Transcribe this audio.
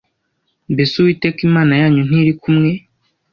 Mbese uwiteka imana yanyu ntiri kumwe